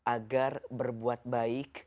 agar berbuat baik